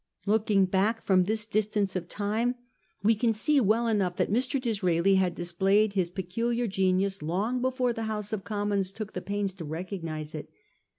Look ing back from this distance of time, we can see well enough that Mr. Disraeli had displayed his peculiar genius long before the House of Commons took the pains to recognise it.